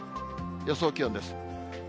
予想気温です。